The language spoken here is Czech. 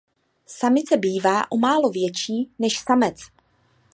Samice bývá o málo větší než samec.